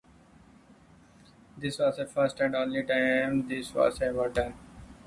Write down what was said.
This was a first and only time this was ever done.